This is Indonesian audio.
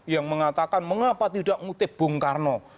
yang mengatakan mengapa tidak ngutip bung karno